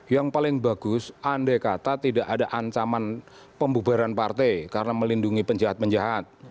yang paling bagus andai kata tidak ada ancaman pembubaran partai karena melindungi penjahat penjahat